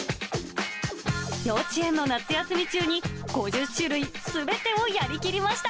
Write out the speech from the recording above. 幼稚園の夏休み中に５０種類すべてをやりきりました。